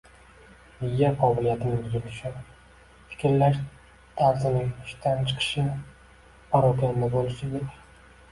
miya qobiliyatining buzilishi, fikrlash tarzining ishdan chiqishi, parokanda bo‘lishidir.